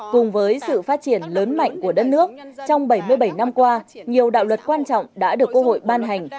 cùng với sự phát triển lớn mạnh của đất nước trong bảy mươi bảy năm qua nhiều đạo luật quan trọng đã được quốc hội ban hành